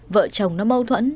vợ chồng nó mâu thuẫn